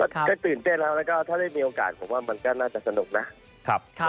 แค่ตื่นเต้นแล้วถ้าได้มีโอกาสผมก็ว่าน่าจะสนุกนะ